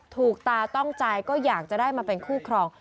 ตาต้องใจก็อยากจะได้มาเป็นคู่ครอง